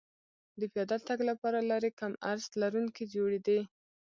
د پیاده تګ لپاره لارې کم عرض لرونکې جوړېدې